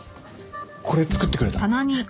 これ作ってくれた？